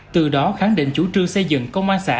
từ đó khẳng định chủ trương xây dựng công an xã